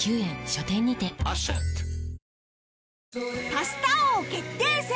パスタ王決定戦